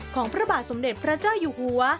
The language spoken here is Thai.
พระบาทสมเด็จพระเจ้าอยู่หัว